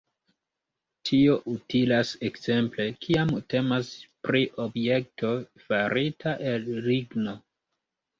Tio utilas ekzemple, kiam temas pri objekto farita el ligno.